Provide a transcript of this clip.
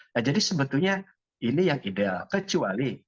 nah jadi sebetulnya ini yang ideal kecuali